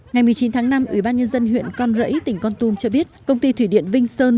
ngày một mươi chín tháng năm ủy ban nhân dân huyện con rẫy tỉnh con tum cho biết công ty thủy điện vinh sơn